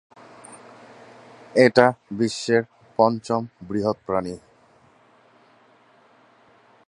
এটি বিশ্বের পঞ্চম বৃহৎ প্রাণী।